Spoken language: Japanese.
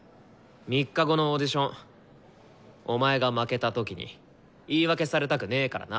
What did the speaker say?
３日後のオーディションお前が負けた時に言い訳されたくねからな。